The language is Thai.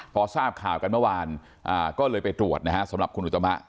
พอทราบข่าวกันเมื่อวานก็เลยไปตรวจนะฮะสำหรับคุณอุตมะ